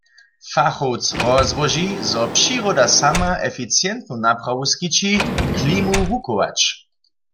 Fachowc rozłoži, zo přiroda sama eficientnu naprawu skići, klimu wuchować.